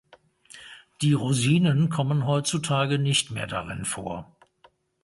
Die Rosinen kommen heutzutage nicht mehr darin vor.